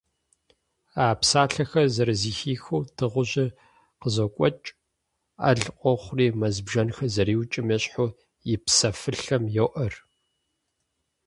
А псалъэхэр зэрызэхихыу, дыгъужьыр къызокӀуэкӀ, Ӏэл къохъури мэз бжэнхэр зэриукӀым ещхьу, и псэфылъэм йоӀэр.